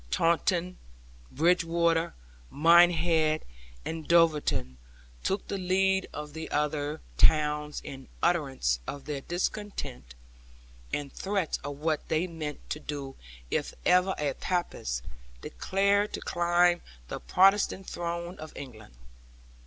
Taunton, Bridgwater, Minehead, and Dulverton took the lead of the other towns in utterance of their discontent, and threats of what they meant to do if ever a Papist dared to climb the Protestant throne of England.